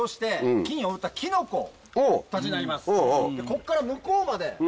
ここから向こうまで。